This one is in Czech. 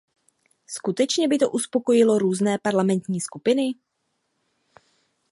Skutečně by to uspokojilo různé parlamentní skupiny?